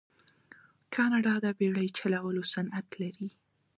کاناډا د بیړۍ چلولو صنعت لري.